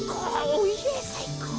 おいえさいこう。